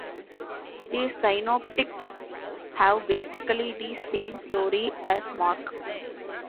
The synoptics have basically the same story as Mark.